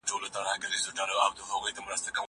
زه هره ورځ مينه څرګندوم؟